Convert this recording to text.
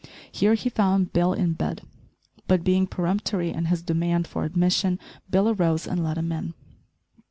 Here he found Bill in bed; but being peremptory in his demand for admission, Bill arose and let him in.